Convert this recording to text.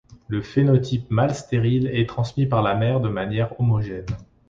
Le phénotype mâle-stérile est transmis par la mère de manière homogène.